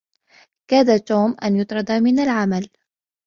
كاد توم أن يُطرد من العمل.